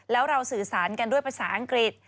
แล้วเราสื่อสารกันด้วยภาษาอังกฤษ